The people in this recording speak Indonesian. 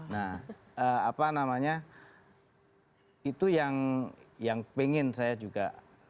nah apa namanya itu yang pengen saya juga